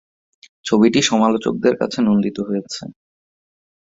ছবিটি সমালোচকদের কাছে নন্দিত হয়েছে।